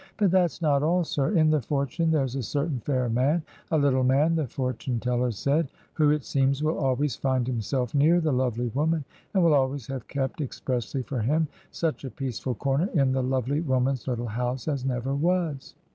But that's not all, sir. In the fortune there's a certain fair man — a little man, the fortune teller said — ^who, it seems, will always find himself near the lovely woman, and will always have kept, expressly for Wm, such a peaceful comer in the lovely woman's httle house as never was.